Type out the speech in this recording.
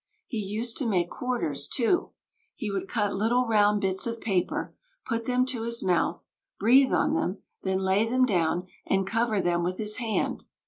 He used to make quarters, too. He would cut little round bits of paper, put them to his mouth, breathe on them, then lay them down and cover them with his hand.